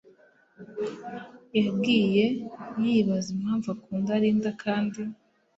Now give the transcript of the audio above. yagiye yibaza impamvu akunda Linda kandi